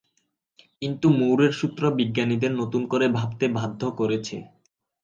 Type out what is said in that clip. কিন্তু মুরের সূত্র বিজ্ঞানীদের নতুন করে ভাবতে বাধ্য করেছে।